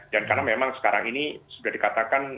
dan karena memang sekarang ini sudah dikatakan